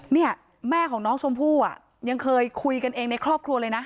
เนี่ยแม่ของน้องชมพู่อ่ะยังเคยคุยกันเองในครอบครัวเลยนะ